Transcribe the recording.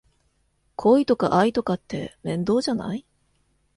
恋とか愛とかって面倒じゃない？